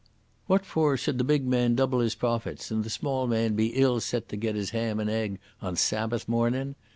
What for should the big man double his profits and the small man be ill set to get his ham and egg on Sabbath mornin'?